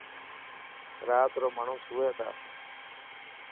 رات رو ماڻهوسوئي تا.